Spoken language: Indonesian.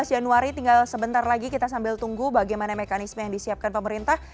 dua belas januari tinggal sebentar lagi kita sambil tunggu bagaimana mekanisme yang disiapkan pemerintah